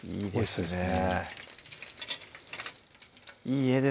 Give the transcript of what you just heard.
そうですよね